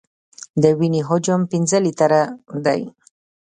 د وینې حجم پنځه لیټره دی.